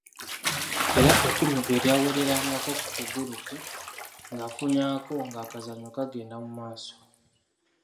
Era ekkumi gwe lyawererangako ku kugulu kwe ng’akufunyako ng’akazannyo kagenda mu maaso.